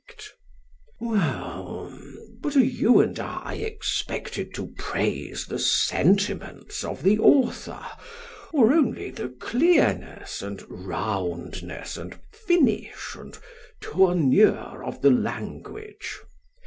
SOCRATES: Well, but are you and I expected to praise the sentiments of the author, or only the clearness, and roundness, and finish, and tournure of the language?